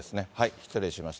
失礼しました。